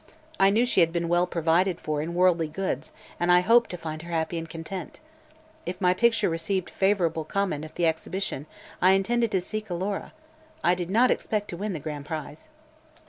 I knew she had been well provided for in worldly goods and I hoped to find her happy and content. If my picture received favorable comment at the exhibition I intended to seek Alora. I did not expect to win the Grand Prize."